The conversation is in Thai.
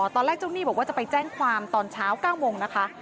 เจ้าหนี้บอกว่าจะไปแจ้งความตอนเช้า๙โมงนะคะ